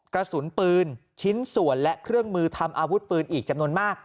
กระสุนปืนชิ้นส่วนและเครื่องมือทำอาวุธปืนอีกจำนวนมาก